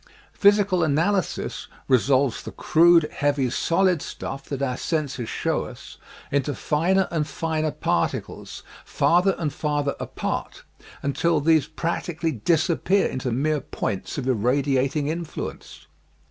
Physical analysis resolves the crude, heavy, solid stuff that our senses show us into finer and finer particles farther and farther apart until these practically disappear into mere points of irradiating influence.